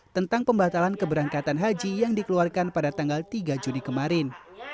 tentang pembatalan keberangkatan haji yang dikeluarkan pada tanggal tiga juni kemarin